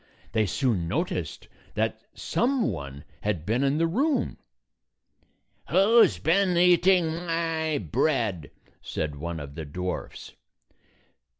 They soon noticed that some one had been in the room. "Who 's been eating my bread?" said one of the dwarfs.